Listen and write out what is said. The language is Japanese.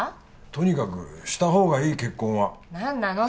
とにかくした方がいい結婚は何なの？